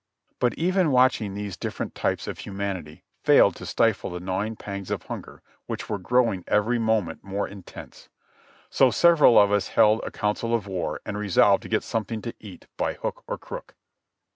But even watching these different types of humanity failed to stifle the gnawing pangs of hunger which were growing every moment more intense ; so several of us held a council of war and resolved to get something to eat by hook or crook.